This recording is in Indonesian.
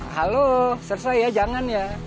halo survey ya jangan ya